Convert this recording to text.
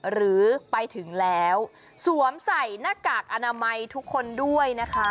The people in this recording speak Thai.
หรือไปถึงแล้วสวมใส่หน้ากากอนามัยทุกคนด้วยนะคะ